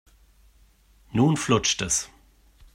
Nun flutscht es.